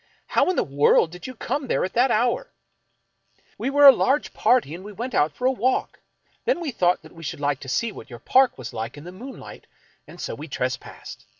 How in the world did you come there at that hour ?"" We were a large party and we went out for a walk. Then we thought we should like to see w^hat your park was like in the moonlight, and so we trespassed.